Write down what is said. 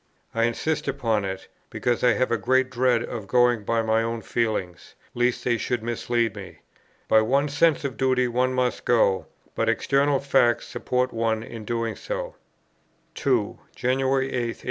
I insist upon it, because I have a great dread of going by my own feelings, lest they should mislead me. By one's sense of duty one must go; but external facts support one in doing so." 2. "January 8, 1845.